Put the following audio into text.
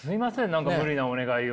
何か無理なお願いを。